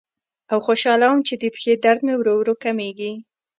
او خوشاله وم چې د پښې درد مې ورو ورو کمیږي.